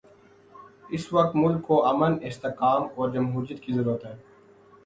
اس وقت ملک کو امن، استحکام اور جمہوریت کی ضرورت ہے۔